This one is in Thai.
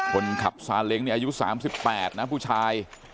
คนขับซาเล้งนี่อายุ๓๘นะผู้ชาย